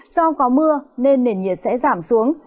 do có mưa nên nền nhiệt sẽ giảm xuống